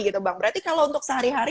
gitu bang berarti kalau untuk sehari hari